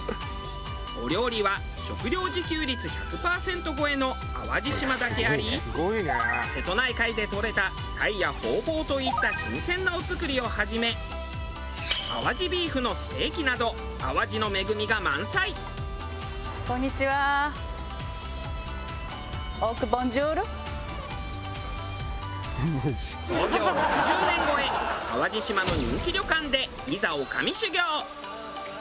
お料理は食料自給率１００パーセント超えの淡路島だけあり瀬戸内海でとれた鯛やホウボウといった新鮮なお造りをはじめ淡路ビーフのステーキなど創業６０年超え淡路島の人気旅館でいざ女将修業。